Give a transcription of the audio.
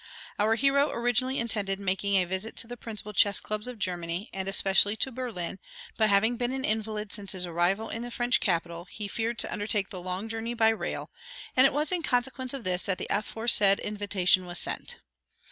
Our hero originally intended making a visit to the principal chess clubs of Germany, and especially to Berlin, but having been an invalid since his arrival in the French capital, he feared to undertake the long journey by rail, and it was in consequence of this that the aforesaid invitation was sent.